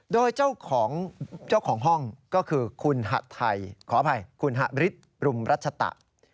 โดยเจ้าของห้องก็คือคุณฮะไทยขออภัยคุณฮะบริษรุมรัชตะ